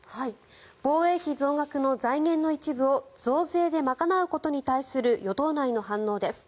防衛費増額の財源の一部を増税で賄うことに対する与党内の反応です。